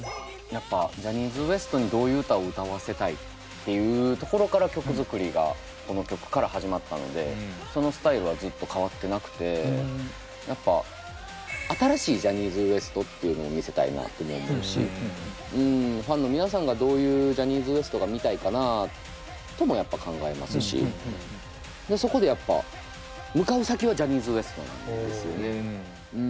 やっぱジャニーズＷＥＳＴにどういう歌を歌わせたいっていうところから曲作りがこの曲から始まったのでそのスタイルはずっと変わってなくてやっぱんファンの皆さんがどういうジャニーズＷＥＳＴが見たいかなともやっぱ考えますしそこでやっぱ向かう先はジャニーズＷＥＳＴなんですよね。